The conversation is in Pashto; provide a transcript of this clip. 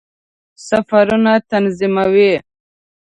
سفرونه تنظیموي.